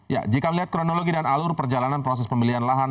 ya jika melihat kronologi dan alur perjalanan proses pembelian lahan